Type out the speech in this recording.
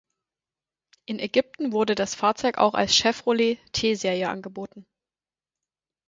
In Ägypten wurde das Fahrzeug auch als Chevrolet T-Serie angeboten.